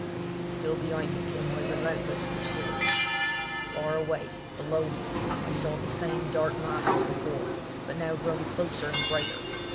Still behind me came on my relentless pursuers. Far away, below me, I saw the same dark mass as before, but now grown closer and greater.